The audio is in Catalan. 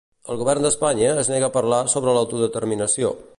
El govern d'Espanya es nega a parlar sobre l'autodeterminació.